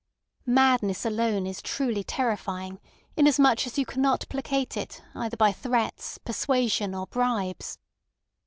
Madness alone is truly terrifying, inasmuch as you cannot placate it either by threats, persuasion, or bribes.